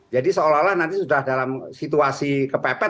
jadi seolah olah nanti sudah dalam situasi kepebasan